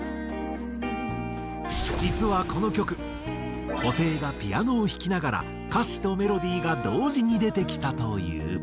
実はこの曲布袋がピアノを弾きながら歌詞とメロディーが同時に出てきたという。